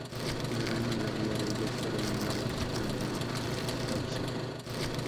La gran mayoría de ellos fueron enviados a Mauthausen.